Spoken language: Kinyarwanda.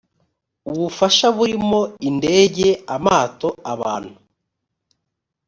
ubufasha burimo indege amato abantu